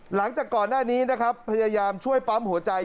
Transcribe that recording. หลังจากก่อนหน้านี้นะครับพยายามช่วยปั๊มหัวใจ